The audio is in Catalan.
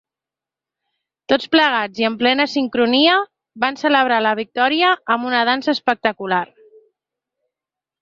Tots plegats i en plena sincronia, van celebrar la victòria amb una dansa espectacular.